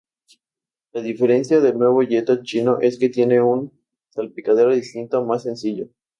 La diferencia del nuevo Jetta chino es que tiene un salpicadero distinto más sencillo.